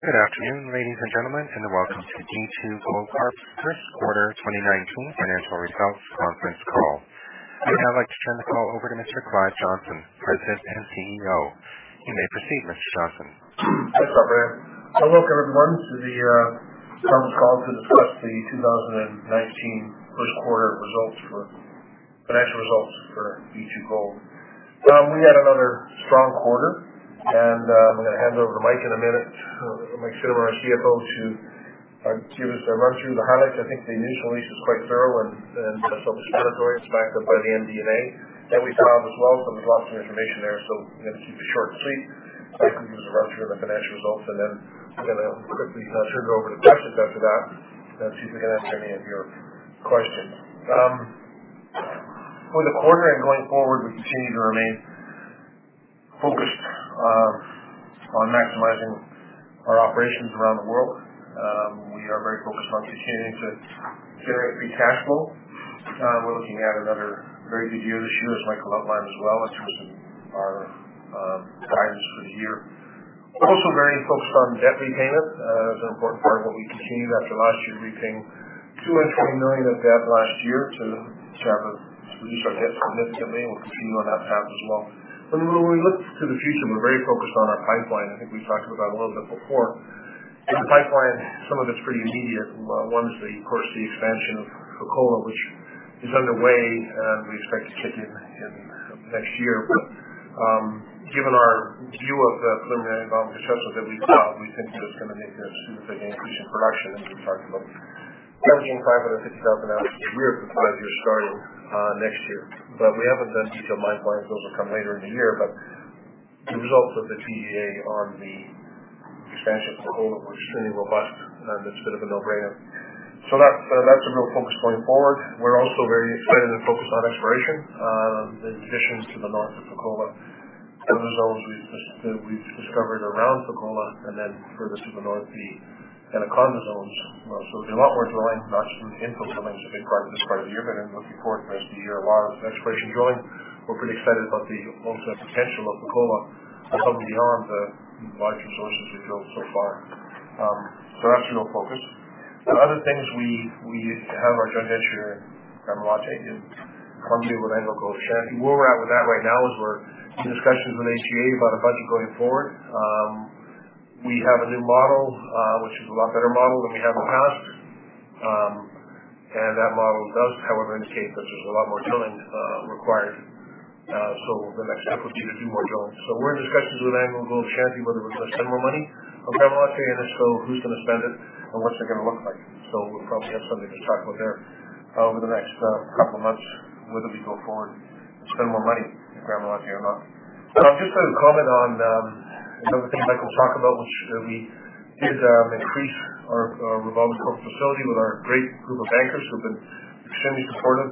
Good afternoon, ladies and gentlemen. Welcome to B2Gold Corp's first quarter 2019 financial results conference call. I'd now like to turn the call over to Mr. Clive Johnson, President and CEO. You may proceed, Mr. Johnson. What's up, everyone? Welcome, everyone, to the conference call to discuss the 2019 first quarter financial results for B2Gold. We had another strong quarter. I'm going to hand it over to Mike in a minute, Mike Cinnamond, our CFO, to give us a run through the highlights. I think the initial release was quite thorough and self-explanatory, it's backed up by the MD&A that we have as well. There's lots of information there. I'm going to keep it short and sweet. Mike will give us a run through of the financial results. We're going to quickly turn it over to questions after that, and see if we can answer any of your questions. For the quarter and going forward, we continue to remain focused on maximizing our operations around the world. We are very focused on continuing to generate free cash flow. We're looking at another very good year this year, as Mike will outline as well, in terms of our guidance for the year. We're also very focused on debt repayment. That is an important part of what we continue. After last year, repaying $220 million of debt last year to reduce our debt significantly. We'll continue on that path as well. When we look to the future, we're very focused on our pipeline. I think we talked about it a little bit before. In the pipeline, some of it's pretty immediate. One's, of course, the expansion of Fekola, which is underway. We expect to kick in next year. Given our view of the preliminary economic assessment that we've done, we think it's going to make a significant increase in production. We've been talking about 1,750,000 ounces a year from the time we get started next year. We haven't done detailed mine plans. Those will come later in the year. The results of the PEA on the expansion of Fekola were extremely robust. It's bit of a no-brainer. That's a real focus going forward. We're also very excited and focused on exploration. The additions to the north of Fekola, those zones that we've discovered around Fekola, and then furthest to the north, the Anaconda zones. There's a lot more drilling, not some info coming in as a big part of this part of the year. I'm looking forward to the rest of the year. A lot of exploration drilling. We're pretty excited about the potential of Fekola and something beyond the mine resources we've drilled so far. That's a real focus. Other things, we have our joint venture in Gramalote in Colombia with AngloGold Ashanti. Where we're at with that right now is we're in discussions with AGA about a budget going forward. We have a new model, which is a lot better model than we had in the past. That model does, however, indicate that there's a lot more drilling required. The next step is to do more drilling. We're in discussions with AngloGold Ashanti, whether it's to spend more money on Gramalote, and if so, who's going to spend it and what's it going to look like. We'll probably have something to talk about there over the next couple of months, whether we go forward and spend more money in Gramalote or not. Just a comment on another thing Mike will talk about, which we did increase our revolving corporate facility with our great group of bankers who've been extremely supportive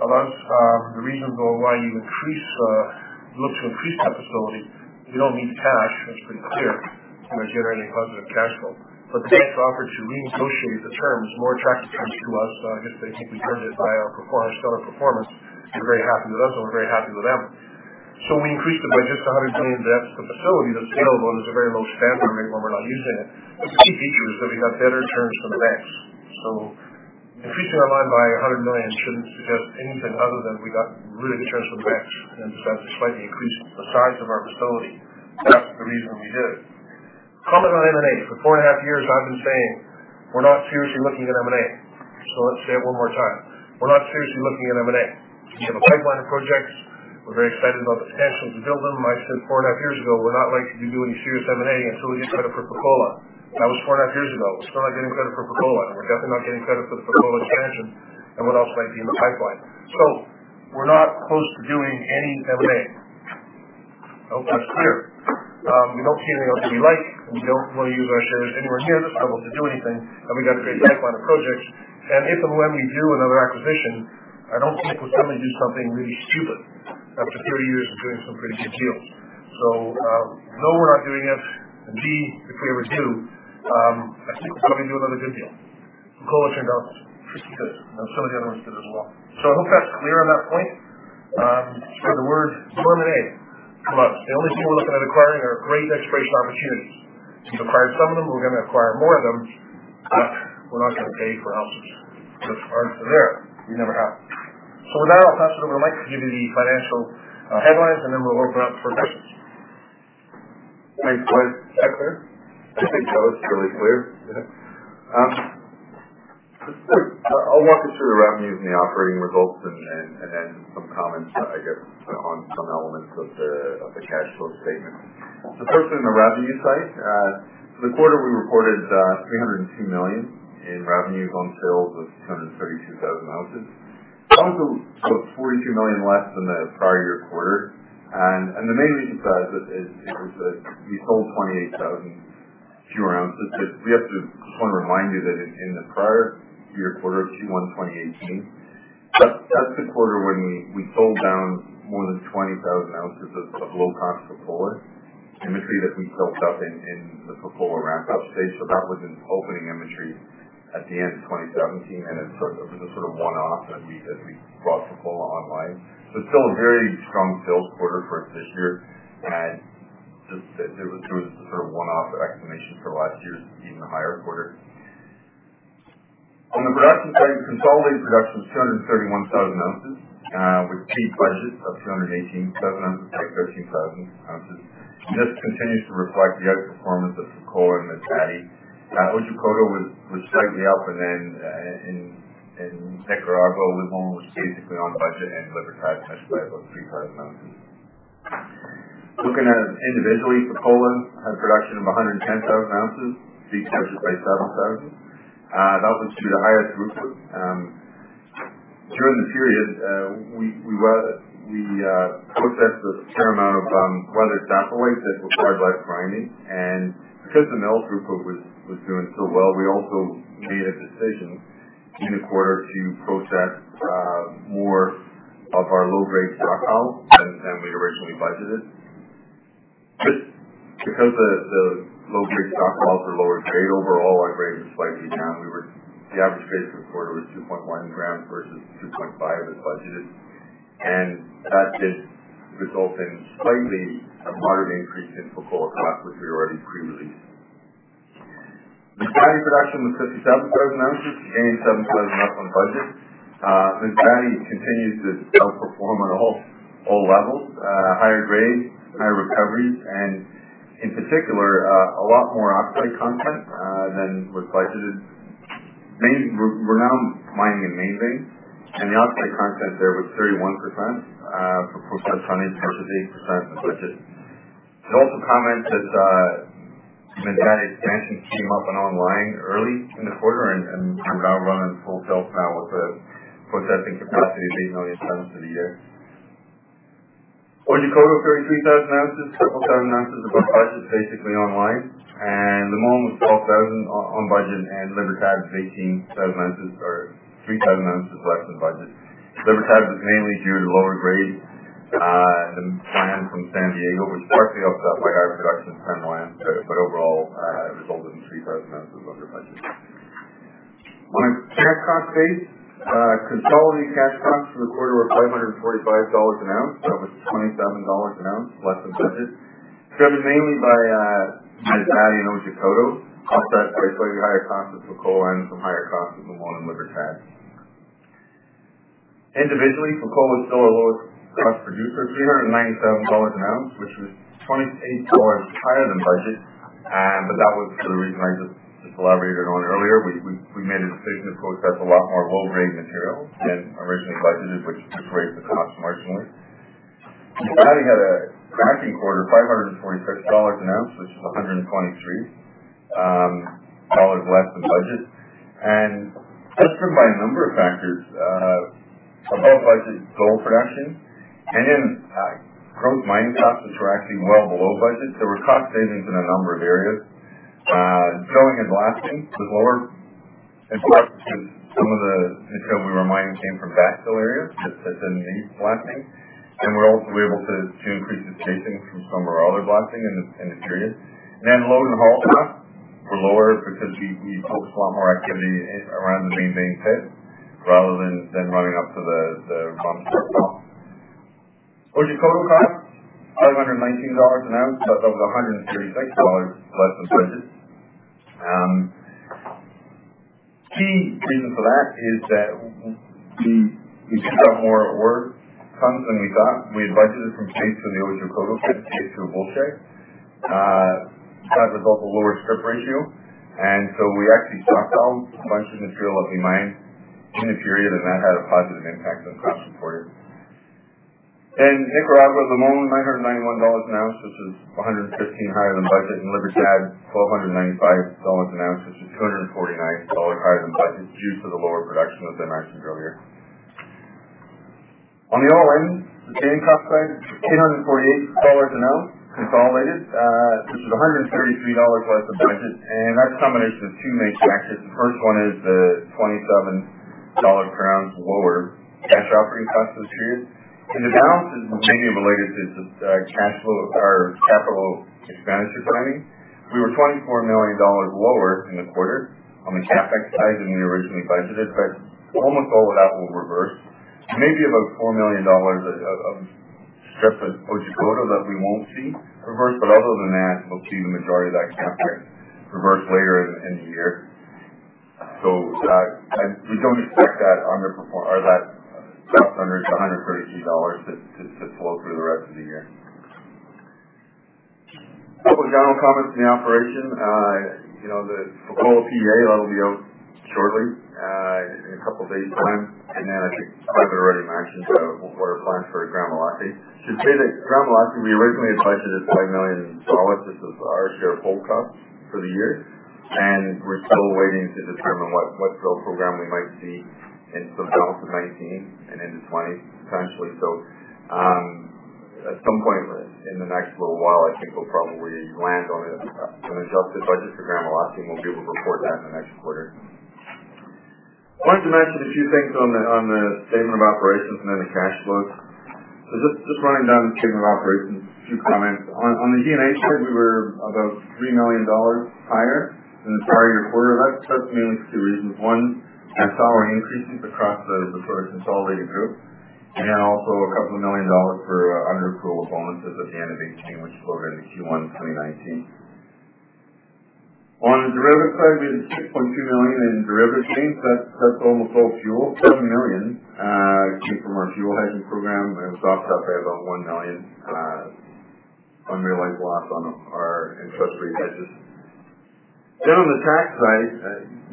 of us. The reasons why you look to increase that facility, we don't need cash, that's pretty clear. We're generating positive cash flow. The bank offered to renegotiate the terms more attractively to us just based on our performance, stellar performance. They're very happy with us, and we're very happy with them. We increased it by just $100 million. That's the facility. The scale mode is a very low standby fee for anyone we're not using it. The key feature is that we got better terms from the banks. Increasing our line by $100 million shouldn't suggest anything other than we got really good terms from the banks. That's why we increased the size of our facility. That's the reason we did it. Comment on M&A. For four and a half years, I've been saying we're not seriously looking at M&A. Let's say it one more time. We're not seriously looking at M&A. We have a pipeline of projects. We're very excited about the potential to build them. I said four and a half years ago, we're not likely to do any serious M&A until we get credit for Fekola. That was four and a half years ago. We're still not getting credit for Fekola, and we're definitely not getting credit for the Fekola expansion and what else might be in the pipeline. We're not close to doing any M&A. I hope that's clear. We don't see anything else that we like, and we don't want to use our shares anywhere near the level to do anything. We got a great pipeline of projects. If and when we do another acquisition, I don't think we're going to do something really stupid after three years of doing some pretty good deals. No, we're not doing it. B, if we ever do, I think we're probably going to do another good deal. Fekola turned out pretty good, and some of the other ones did as well. I hope that's clear on that point. Just heard the word M&A come up. The only thing we're looking at acquiring are great exploration opportunities. We've acquired some of them. We're going to acquire more of them, but we're not going to pay for ounces. That's our stance there. We never have. With that, I'll pass it over to Mike to give you the financial headlines, and then we'll open up for questions. Mike, was that clear? I think so. It's really clear. Okay. I'll walk you through the revenue and the operating results then some comments, I guess, on some elements of the cash flow statement. First on the revenue side. For the quarter, we reported $302 million in revenues on sales of 232,000 oz. That was $42 million less than the prior year quarter. The main reason for that is we sold 28,000 fewer ounces. We have to just kind of remind you that in the prior year quarter, Q1 2018, that's the quarter when we sold down more than 20,000 ounces of low cost before inventory that we built up in the Fekola ramp-up stage. That was in opening inventory at the end of 2017, and it was a sort of one-off as we brought Fekola online. It's still a very strong sales quarter for us this year, and there was a sort of one-off explanation for last year's being a higher quarter. On the production side, consolidated production is 231,000 ounces, with key pledges of 218,000 ounces, like 13,000 ounces. This continues to reflect the outperformance of Fekola and Masbate. Then in Nicaragua, El Limon was basically on budget and La Libertad touched label of 3,000 ounces. Looking at it individually, Fekola had production of 110,000 ounces, beat budget by 7,000. That was due to higher throughput. During the period, we processed a fair amount of weathered stockpiles that required less grinding. Because the mill throughput was doing so well, we also made a decision in the quarter to process more of our low-grade stockpiles than we originally budgeted. Because the low-grade stockpiles were lower grade overall, our grade was slightly down. The average grade for the quarter was 2.1 grams versus 2.5 as budgeted. That did result in slightly a moderate increase in Fekola costs, which we already pre-released. Masbate production was 57,000 ounces, 87,000 up on budget. Masbate continues to outperform at all levels, higher grades, higher recoveries. In particular, a lot more oxide content than was budgeted. We're now mining in Main vein. The oxide content there was 31% for processed tonnage versus 8% budgeted. I'd also comment that Masbate's expansion came up online early in the quarter and is now running full tilt now with a processing capacity of 8 million tons for the year. Otjikoto, 33,000 ounces, 4,000 ounces above budget, basically online. El Limon was 12,000 on budget. La Libertad 18,000 ounces or 3,000 ounces less than budget. Libertad was mainly due to lower grade in the plan from San Diego, which partly offset higher production at Pinal. Overall, it resulted in 3,000 ounces under budget. On a cash cost base, consolidated cash costs for the quarter were $545 an ounce. That was $27 an ounce less than budget, driven mainly by Masbate and Otjikoto, offset by slightly higher costs at Fekola and some higher costs at El Limon and La Libertad. Individually, Fekola was still our lowest cost producer at $397 an ounce, which was $28 higher than budget. That was for the reason I just elaborated on earlier. We made a decision to process a lot more low-grade material than originally budgeted, which increased the costs marginally. Masbate had a cracking quarter, $526 an ounce, which is $123 less than budget. That's driven by a number of factors, above-budget gold production and gross mine tons, which were actually well below budget. We're cost savings in a number of areas. Drilling and blasting was lower in part because some of the material we were mining came from backfill areas that didn't need blasting. We're also able to increase the spacing from some of our other blasting in this period. Load and haul costs were lower because we focused a lot more activity around the Main vein pit rather than running up to the bottom pit wall. Otjikoto cost $519 an ounce. That was $136 less than budget. Key reason for that is that we just got more ore tons than we thought. We had budgeted from pits in the Otjikoto pit to get to a bulk check. That results in lower strip ratio. We actually stockpiled a bunch of material that we mined in the period, and that had a positive impact on the cost for the quarter. In Nicaragua, El Limon, $991 an ounce, which is 115 higher than budget, and La Libertad, $1,295 an ounce, which is $249 higher than budget due to the lower production we've been actually drilling. On the all-in sustaining cost side, it's $1,048 an ounce consolidated, which is $133 less than budget, and that's a combination of two main factors. The first one is the $27 per ounce lower cash operating costs this period, and the balance is mainly related to the capital expenditure planning. We were $24 million lower in the quarter on the CapEx side than we originally budgeted. Almost all of that will reverse. Maybe about $4 million of strip at Otjikoto that we won't see reverse. Other than that, we'll see the majority of that CapEx reverse later in the year. We don't expect that underperform or that drop under $130 to pull through the rest of the year. A couple of general comments on the operation. The Fekola PEA, that'll be out shortly, in a couple of days' time. I think I've already mentioned our plans for Gramalote. To say that Gramalote, we originally budgeted $5 million. This is our share of full cost for the year, and we're still waiting to determine what drill program we might see in the second half of 2019 and into 2020, potentially. At some point in the next little while, I think we'll probably land on an adjusted budget for Gramalote, and we'll be able to report that in the next quarter. I wanted to mention a few things on the statement of operations and then the cash flow. Just running down the statement of operations, a few comments. On the G&A side, we were about $3 million higher than the prior year quarter. That's mainly for two reasons. One, salary increases across the sort of consolidated group. Also a couple of million dollars for annual pool bonuses at the end of 2018, which flowed into Q1 2019. On the derivative side, we had $6.2 million in derivative gains. That's almost all fuel. $7 million came from our fuel hedging program, and stock up had about $1 million on yield loss on our interest rate hedges. On the tax side,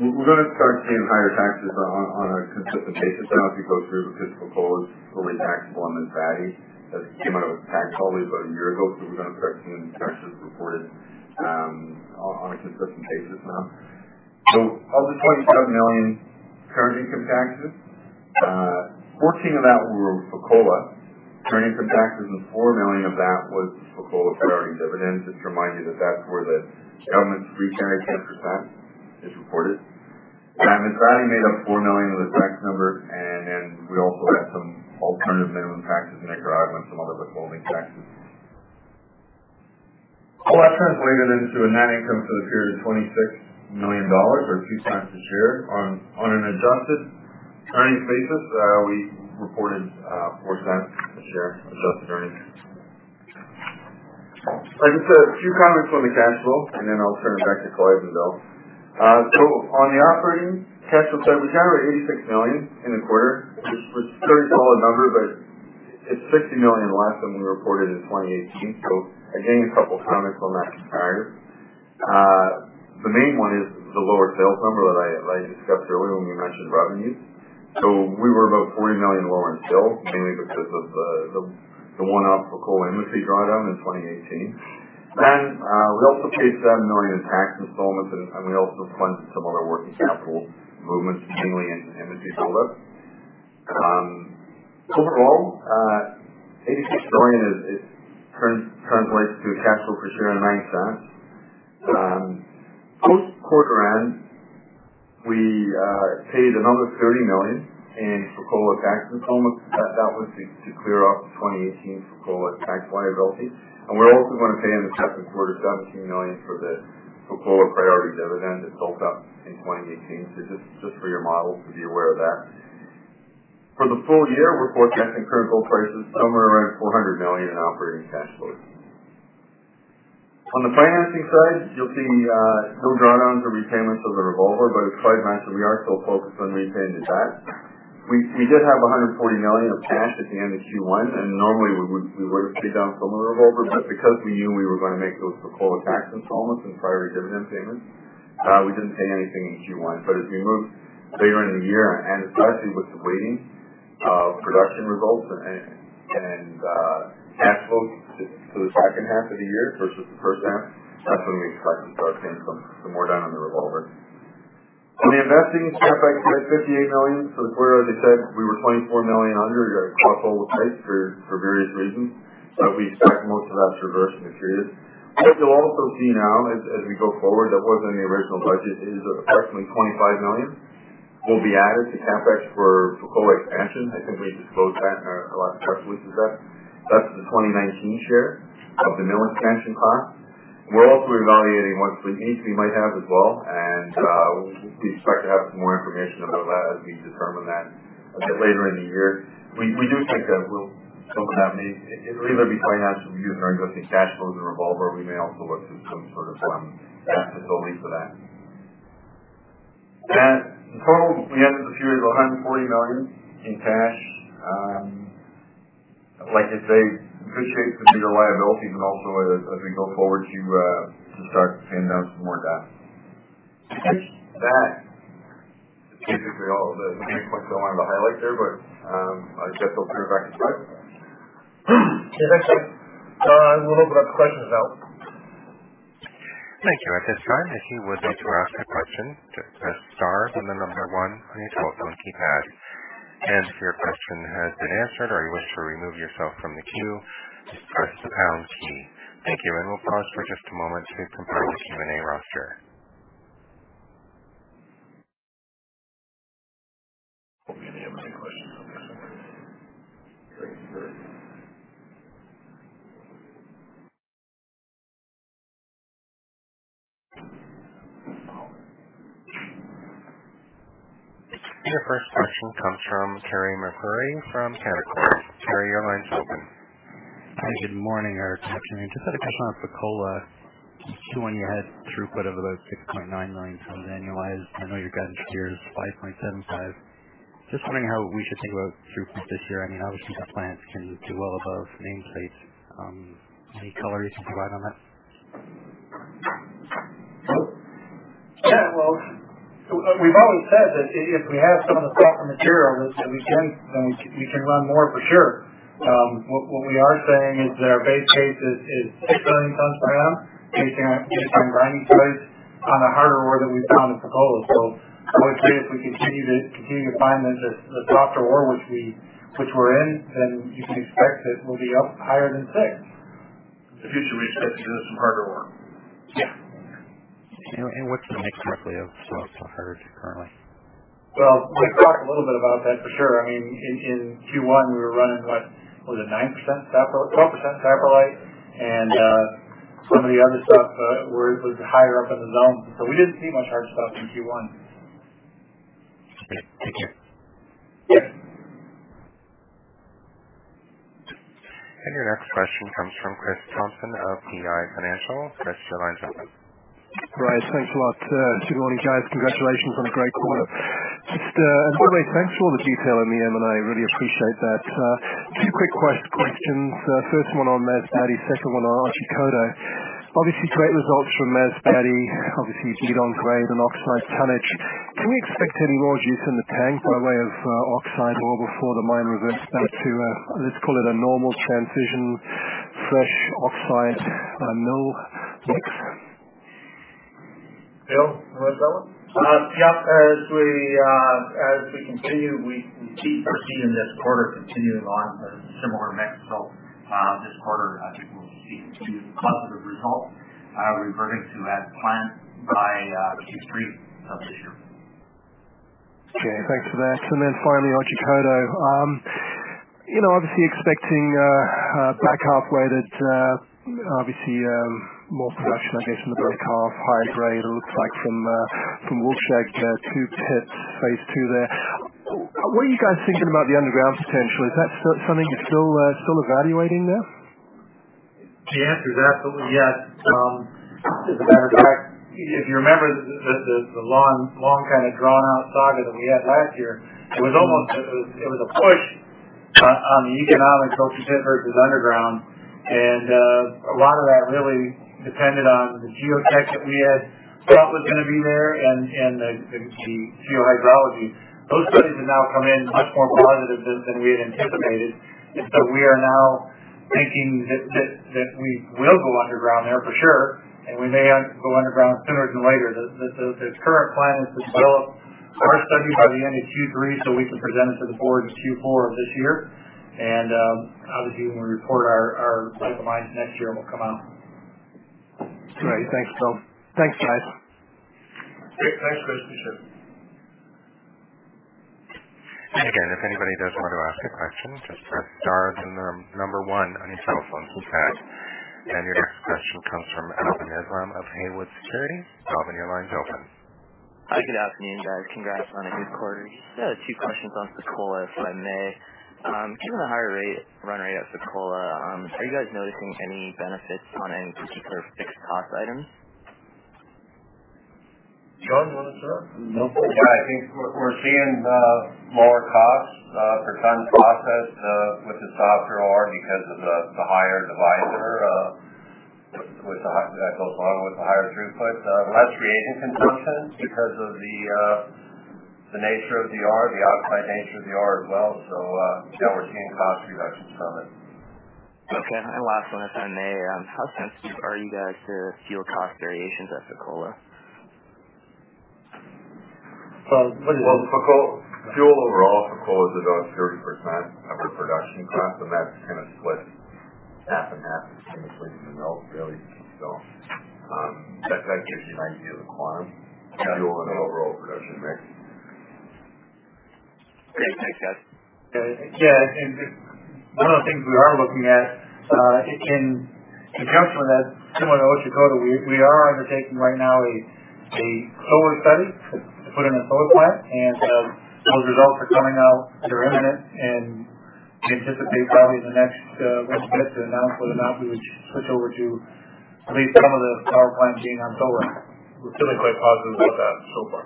we're going to start paying higher taxes on a consistent basis now. If you go through the fiscal rules for taxed in Masbate that came out of tax holiday about a year ago. We're going to start seeing the taxes reported on a consistent basis now. Of the $27 million current income taxes, 14 of that were Fekola current income taxes, and $4 million of that was Fekola priority dividends. Just to remind you that that's where the free-carry 10% is reported. Masbate made up $4 million of the tax number, and we also had some alternative minimum taxes in Nicaragua on some other withholding taxes. All that translated into a net income for the period of $26 million or $0.02 a share. On an adjusted earnings basis, we reported $0.04 a share adjusted earnings. Like I said, a few comments on the cash flow, then I'll turn it back to Clive and Bill. On the operating cash flow side, we generated $86 million in the quarter, which was a very solid number but it's $60 million less than we reported in 2018. Again, a couple of comments on that compared. The main one is the lower sales number that I discussed earlier when we mentioned revenue. We were about $40 million lower in sales, mainly because of the one-off Fekola inventory drawdown in 2018. Then we also paid $7 million in tax installments, and we also funded some of our working capital movements, mainly in inventory build-up. Overall, $86 million translates to a cash flow per share of $0.09. Post quarter-end, we paid another $30 million in Fekola tax installments. That was to clear off the 2018 Fekola tax liability. We're also going to pay in the second quarter $17 million for the Fekola priority dividend that built up in 2018. Just for your models to be aware of that. For the full year, we're forecasting critical prices somewhere around $400 million in operating cash flows. On the financing side, you'll see no drawdowns or repayments of the revolver, but as Clive mentioned, we are still focused on repaying the debt. We did have $140 million of cash at the end of Q1, and normally we would pay down some of the revolver, but because we knew we were going to make those Fekola tax installments and priority dividend payments, we didn't pay anything in Q1. As we move later in the year, and especially with the weighting of production results and cash flow to the second half of the year versus the first half, that's when we expect to start seeing some more down on the revolver. On the investing step, I said $58 million for the quarter. As I said, we were $24 million under. We got caught up with pace for various reasons, but we expect most of that to reverse in the period. What you'll also see now as we go forward, that wasn't in the original budget, is approximately $25 million will be added to CapEx for Fekola expansion. I think we disclosed that a couple weeks ago. That's the 2019 share of the mill expansion cost. We're also evaluating what fleet needs we might have as well, we expect to have some more information about that as we determine that a bit later in the year. We do think that we'll cover that need. It'll either be finance from using our existing cash flows and revolver. We may also look to some sort of debt facility for that. In total, we ended the period with $140 million in cash. Like I say, it appreciates the zero liabilities, but also as we go forward to start paying down some more debt. That's basically all the main points that I wanted to highlight there, but I just hope to hear back to Clive. Thanks. We'll open up the questions now. Thank you. At this time, if you would like to ask a question, just press star, then the number 1 on your telephone keypad. If your question has been answered or you wish to remove yourself from the queue, just press the pound key. Thank you. We'll pause for just a moment to prepare the Q&A roster. We have any questions on this? Your first question comes from Carey MacRury from Canaccord Genuity. Carey, your line's open. Hi, good morning or good afternoon. Just had a question on Fekola. Just doing your head throughput of about 6.9 million tons annualized. I know your guidance here is 5.75. Just wondering how we should think about throughput this year. I mean, obviously, that plant can do well above name plates. Any color you can provide on that? Yeah. Well, we've always said that if we have some of the softer material, then we can run more for sure. What we are saying is that our base case is 6 million tons per annum based on grinding choice on the harder ore that we found at Fekola. I would say if we continue to find the softer ore which we're in, then you can expect that we'll be up higher than 6. If you should be set to do some harder ore. Yeah. What's the mix roughly of soft to hard currently? Well, we've talked a little bit about that for sure. I mean, in Q1, we were running, what was it, 9% saprolite, 12% saprolite light, and some of the other stuff was higher up in the zone. We didn't see much hard stuff in Q1. Okay. Thank you. Yeah. Your next question comes from Chris Thompson of PI Financial. Chris, your line's open. Right. Thanks a lot. Good morning, guys. Congratulations on a great quarter. Just by the way, thanks for all the detail on the MD&A, really appreciate that. Two quick questions. First one on Masbate, second one on Otjikoto. Obviously, great results from Masbate. Obviously, you've done great on oxide tonnage. Can we expect any more juice in the tank by way of oxide ore before the mine reverts back to, let's call it a normal transition, fresh oxide, mill mix? Bill, you want to take that one? Sure. Yep. As we continue, we proceed in this quarter continuing on a similar mix. This quarter, I think we'll see continued positive results, reverting to as planned by Q3 of this year. Okay, thanks for that. Finally, Otjikoto. Obviously expecting back half weighted, obviously, more production, I guess, in the back half, higher grade, it looks like from Wolfshag two pits, phase two there. What are you guys thinking about the underground potential? Is that something you're still evaluating there? The answer is absolutely yes. As a matter of fact, if you remember the long kind of drawn out saga that we had last year, it was a push on the economics, open pit versus underground, and a lot of that really depended on the geotech that we had thought was going to be there and the geohydrology. Those studies have now come in much more positive than we had anticipated. We are now thinking that we will go underground there for sure, and we may go underground sooner than later. The current plan is to fill our study by the end of Q3 so we can present it to the board in Q4 of this year. Obviously, when we report our type of mines next year, it will come out. Great. Thanks, Bill. Thanks, guys. Great. Thanks, Chris. Appreciate it. Again, if anybody does want to ask a question, just press star then the number one on your telephone keypad. Your next question comes from [Robin Nehzwam] of Haywood Securities. [Robin], your line's open. Hi, good afternoon, guys. Congrats on a good quarter. Just two questions on Fekola, if I may. Given the higher run rate at Fekola, are you guys noticing any benefits on any particular fixed cost items? John, you want to start? Yeah, I think we're seeing lower costs for tons processed with the softer ore because of the higher divisor that goes along with the higher throughput. Less reagent consumption because of the nature of the ore, the oxide nature of the ore as well. Yeah, we're seeing cost reductions from it. Okay. Last one, if I may. How sensitive are you guys to fuel cost variations at Fekola? Well- Fuel overall at Fekola is about 30% of our production cost, That's kind of split half and half between the mill really. That gives you an idea of the quantum. Got it of fuel in an overall production mix. Great. Thanks, guys. Yeah, one of the things we are looking at in conjunction with that, similar to Otjikoto, we are undertaking right now a solar study to put in a solar plant. Those results are coming out. They're imminent, we anticipate probably in the next month to announce whether or not we would switch over to at least some of the power plant being on solar. We're feeling quite positive about that so far.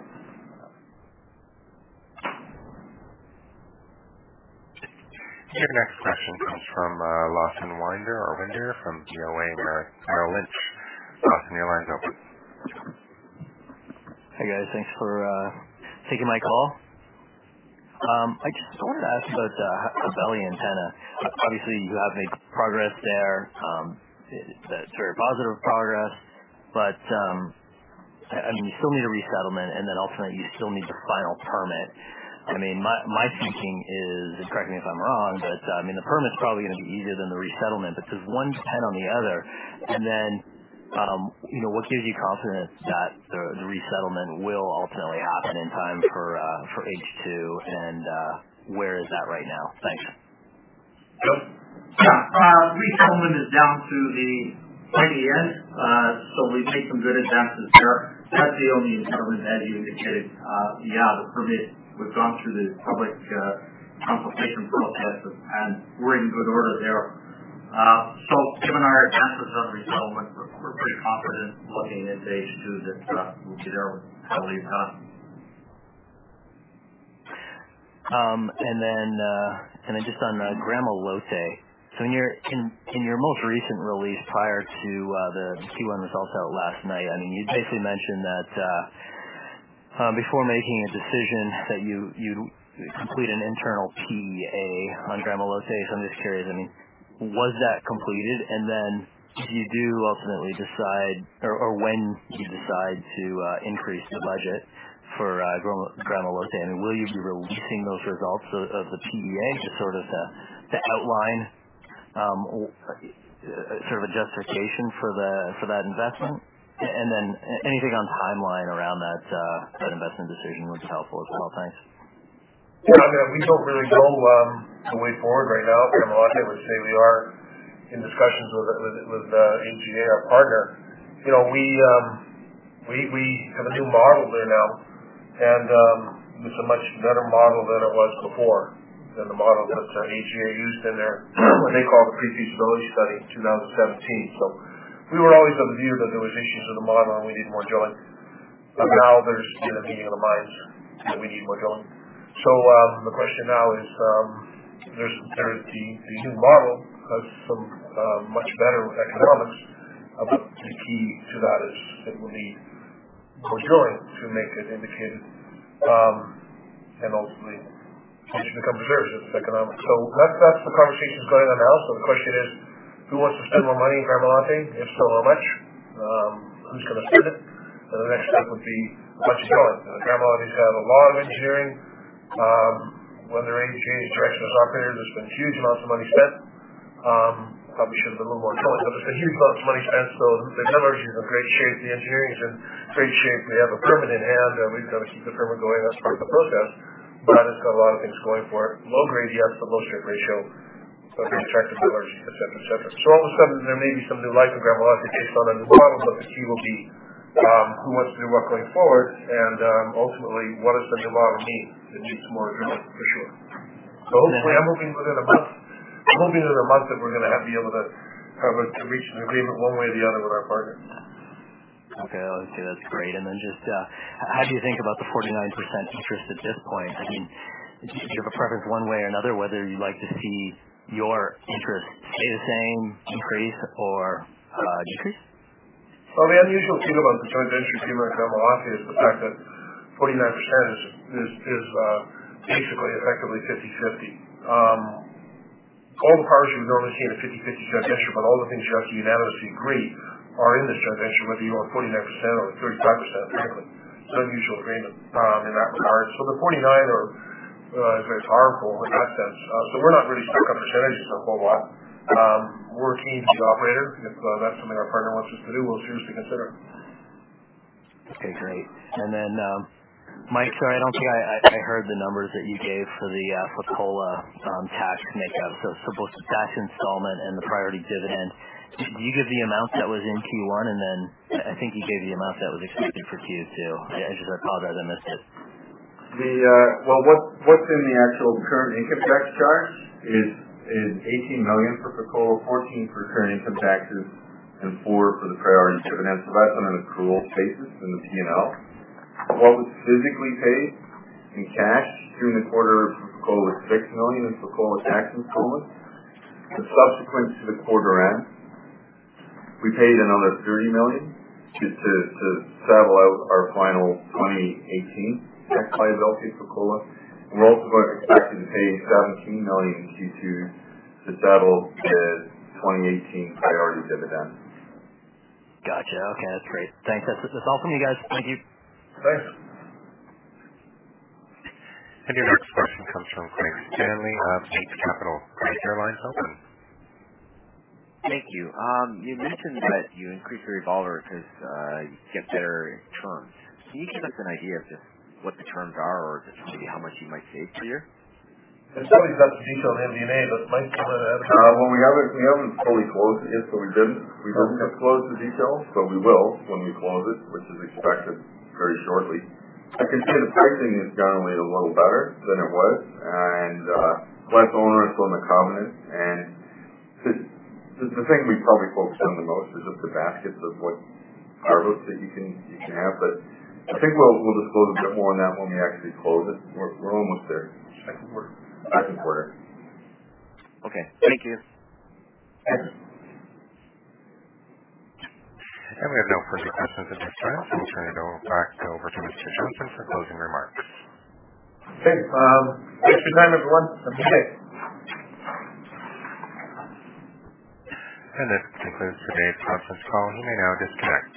Your next question comes from Lawson Winder of BofA Merrill Lynch. Lawson, your line's open. Hi, guys. Thanks for taking my call. I just wanted to ask about Jabali Antenna. Obviously, you have made progress there, very positive progress. You still need a resettlement and then ultimately you still need the final permit. My thinking is, and correct me if I'm wrong, but the permit's probably going to be easier than the resettlement. Does one depend on the other? What gives you confidence that the resettlement will ultimately happen in time for H2, and where is that right now? Thanks. Yep. Yeah. Resettlement is down to the IDN. We've made some good advances there. That's the only impediment, as you indicated. The permit was gone through the public consultation processes, and we're in good order there. Given our advances on resettlement, we're pretty confident looking into H2 that we'll be there with Jabali done. Just on Gramalote. In your most recent release prior to the Q1 results out last night, you basically mentioned that before making a decision that you complete an internal PEA on Gramalote. I'm just curious, was that completed? If you do ultimately decide or when you decide to increase the budget for Gramalote, will you be releasing those results of the PEA just sort of to outline sort of a justification for that investment? Anything on timeline around that investment decision would be helpful as well. Thanks. Yeah. We don't really know the way forward right now at Gramalote. I would say we are in discussions with AGA, our partner. We have a new model there now. It's a much better model than it was before, than the model that AGA used in their, what they call pre-feasibility study in 2017. We were always of the view that there was issues with the model and we need more drilling. Now there's a meeting of the minds that we need more drilling. The question now is, the new model has some much better economics, the key to that is that we need more drilling to make it indicated, ultimately the project becomes reserved, it's economic. That's the conversation that's going on now. The question is, who wants to spend more money in Gramalote? If so, how much? Who's going to spend it? The next step would be much drilling. Gramalote's had a lot of engineering. When there's AGA interaction with operators, there's been huge amounts of money spent. Probably should have been a little more drilling. There's been huge amounts of money spent. The metallurgy is in great shape, the engineering is in great shape. We have a permit in hand. We've got to keep the permit going. That's part of the process. It's got a lot of things going for it. Low grade, yes. Low strip ratio. Very attractive metallurgy, et cetera. All of a sudden, there may be some new life in Gramalote based on a new model. The key will be who wants to do what going forward, ultimately, what does the new model mean? It needs more drilling, for sure. Hopefully, I'm hoping within a month that we're going to have be able to reach an agreement one way or the other with our partner. Okay. Okay, that's great. Just how do you think about the 49% interest at this point? I mean, do you have a preference one way or another whether you'd like to see your interest stay the same, increase, or decrease? Well, the unusual thing about the joint venture agreement at Gramalote is the fact that 49% is basically effectively 50/50. All the parties would normally see in a 50/50 joint venture, but all the things you have to unanimously agree are in this joint venture, whether you own 49% or 35%. It's an unusual agreement in that regard. The 49 is very powerful in that sense. We're not really stuck on percentages a whole lot. We're keen to be the operator, and if that's something our partner wants us to do, we'll seriously consider. Okay, great. Mike, sorry, I don't think I heard the numbers that you gave for the Fekola tax makeup. For both the tax installment and the priority dividend. Did you give the amount that was in Q1? I think you gave the amount that was expected for Q2. I apologize, I missed it. Well, what's in the actual current income tax chart is $18 million for Fekola, $14 million for current income taxes, and $4 million for the priority dividends. That's on an accrual basis in the P&L. What was physically paid in cash during the quarter for Fekola was $6 million in Fekola tax installments. Subsequent to the quarter end, we paid another $30 million to settle out our final 2018 tax liability for Fekola. We're also expected to pay $17 million in Q2 to settle the 2018 priority dividend. Got you. Okay, that's great. Thanks. That's just all for me, guys. Thank you. Thanks. Your next question comes from Craig Stanley of Eight Capital. Craig, your line is open. Thank you. You mentioned that you increased your revolver because you get better terms. Can you give us an idea of just what the terms are or just maybe how much you might save per year? It's always got the details in the MD&A, but Mike, do you want to add to that? We haven't fully closed it yet, so we didn't disclose the details, but we will when we close it, which is expected very shortly. I can say the pricing is generally a little better than it was and less onerous on the covenant. The thing we probably focused on the most is just the baskets of what harvests that you can have. I think we'll disclose a bit more on that when we actually close it. We're almost there. Second quarter. Okay. Thank you. Thanks. We have no further questions in the queue. I'll turn it over to Mr. Johnson for closing remarks. Okay. Thanks, everyone. Have a good day. This concludes today's conference call. You may now disconnect.